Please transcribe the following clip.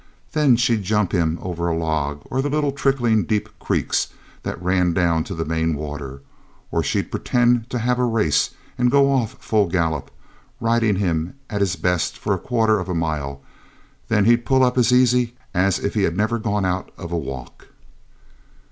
Then she'd jump him over logs or the little trickling deep creeks that ran down to the main water; or she'd pretend to have a race and go off full gallop, riding him at his best for a quarter of a mile; then he'd pull up as easy as if he'd never gone out of a walk.